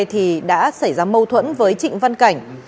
thì đã xảy ra mâu thuẫn với trịnh văn cảnh